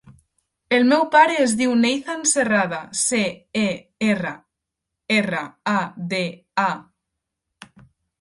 El meu pare es diu Nathan Cerrada: ce, e, erra, erra, a, de, a.